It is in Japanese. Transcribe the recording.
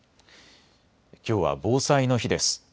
きょうは防災の日です。